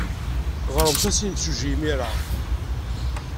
Ɣremt-as i yimsujji imir-a.